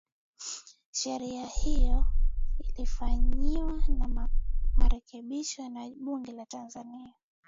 sheria hiyo ilifanyiwa marekebisho na bunge la tanzania